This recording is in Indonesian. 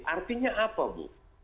artinya apa bu